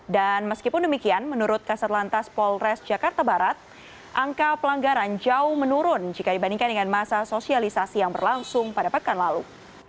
dan meskipun demikian menurut kasar lantas polres jakarta barat angka pelanggaran jauh menurun jika dibandingkan dengan masa sosialisasi yang berlangsung pada pekan lalu